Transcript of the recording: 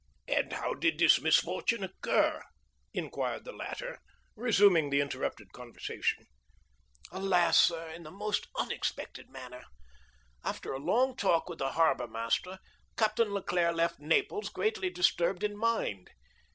"And how did this misfortune occur?" inquired the latter, resuming the interrupted conversation. 0023m "Alas, sir, in the most unexpected manner. After a long talk with the harbor master, Captain Leclere left Naples greatly disturbed in mind.